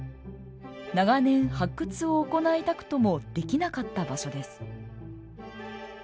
長年発掘を行いたくともできなかった場所です。